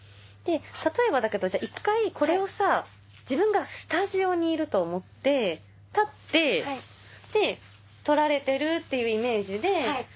例えばだけど１回これをさ自分がスタジオにいると思って立って撮られてるっていうイメージで。